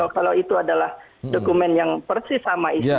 kalau itu adalah dokumen yang persis sama istrinya